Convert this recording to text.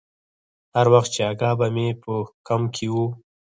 هر وخت چې اکا به مې په کمپ کښې و.